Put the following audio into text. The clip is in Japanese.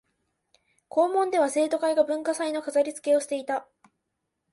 校門では生徒会が文化祭の飾りつけをしていた